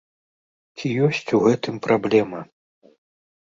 Ці ёсць у гэтым праблема?